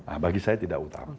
ah bagi saya tidak utama